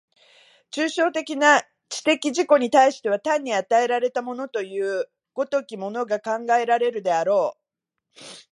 抽象的な知的自己に対しては単に与えられたものという如きものが考えられるであろう。